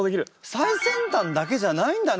最先端だけじゃないんだね